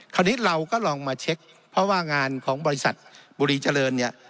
คราวนี้เราก็ลองมาเช็คเพราะว่างานของบริษัทบุรีเจริญเนี่ย